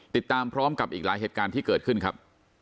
ติดตามพร้อมกับอีกหลายเหตุการณ์ที่เกิดขึ้นครับ